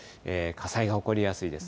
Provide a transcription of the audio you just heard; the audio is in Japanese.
火災が起こりやすいです。